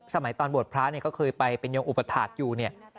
สมัยตอนบวชพระก็เคยไปเป็นยมอุปถาคอยู่